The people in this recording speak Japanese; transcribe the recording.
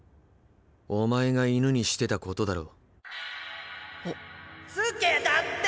お前が犬にしてたことだろ。